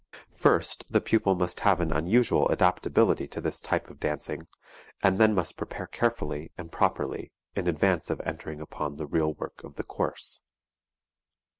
First, the pupil must have an unusual adaptability to this type of dancing, and then must prepare carefully and properly in advance of entering upon the real work of the course.